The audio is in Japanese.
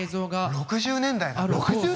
６０年代！？